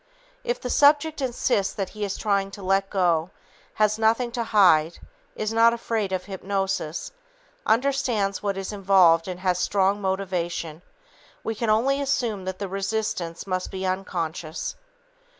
If the subject insists that he is trying to "let go," has nothing to hide, is not afraid of hypnosis, understands what is involved and has strong motivation, we can only assume that the resistance must be unconscious.